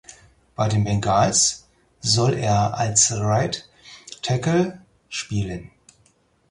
Bei den Bengals soll er als Right Tackle spielen.